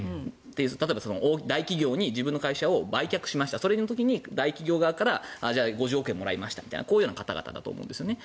例えば、大企業に自分の会社を売却しました大企業側から５０億円もらいましたという方々だと思うんです。